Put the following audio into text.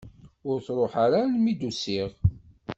Ur truḥ ara alma i d-usiɣ.